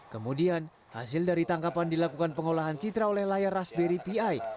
kemudian hasil dari tangkapan dilakukan pengolahan citra oleh layar raspberry pi